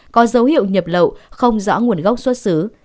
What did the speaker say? có dấu hiệu nhập lậu không rõ nguồn gốc xuất xứ